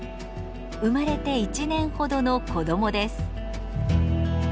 生まれて１年ほどの子どもです。